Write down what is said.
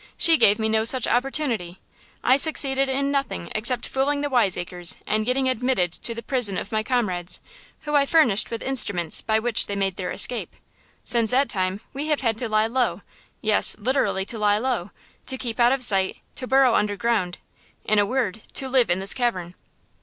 she gave me no such opportunity. I succeeded in nothing except in fooling the wiseacres and getting admitted to the prison of my comrades, who I furnished with instruments by which they made their escape. Since that time we have had to lie low–yes, literally to lie low–to keep out of sight, to burrow under ground; in a word, to live in this cavern."